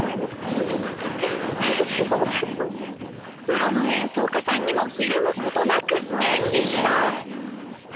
プロの演奏家さんにもひるむことなく演技指導。